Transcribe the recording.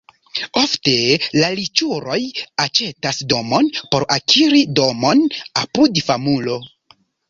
Ofte la riĉuloj aĉetas domon por akiri domon apud famulo.